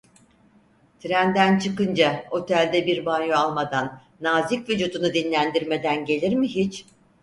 Trenden çıkınca otelde bir banyo almadan, nazik vücudunu dinlendirmeden gelir mi hiç?